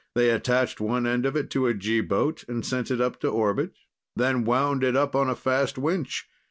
"They attached one end of it to a G boat and sent it up to orbit, then wound it up on a fast winch.